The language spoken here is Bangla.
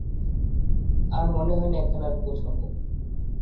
আর মনে হয় না এখন আর পৌঁছাব।